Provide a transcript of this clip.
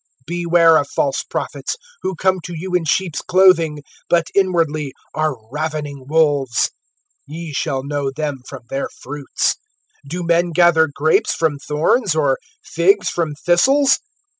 (15)Beware of false prophets, who come to you in sheeps' clothing, but inwardly are ravening wolves. (16)Ye shall know them from their fruits. Do men gather grapes from thorns, or figs from thistles?